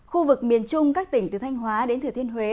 khu vực miền trung các tỉnh từ thanh hóa đến thừa thiên huế